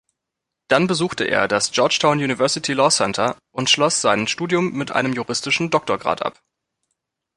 Dann besuchte er das Georgetown University Law Center und schloss sein Studium mit einem juristischen Doktorgrad ab.